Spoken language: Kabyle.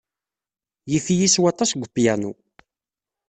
Yif-iyi s waṭas deg upyanu.